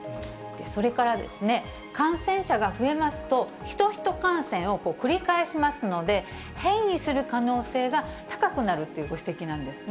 それから、感染者が増えますと、ヒトヒト感染を繰り返しますので、変異する可能性が高くなるっていうご指摘なんですね。